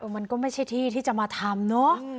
มันก็ไม่ใช่ที่ที่จะมาทำเนอะ